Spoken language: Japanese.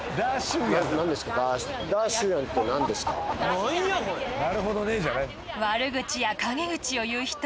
なんやこれなるほどねじゃないええー！